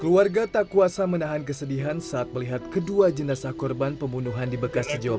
keluarga tak kuasa menahan kesedihan saat melihat kedua jenazah korban pembunuhan di bekasi jawa